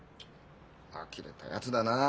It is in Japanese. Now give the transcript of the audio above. あきれたやつだなあ。